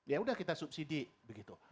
ya udah kita subsidi begitu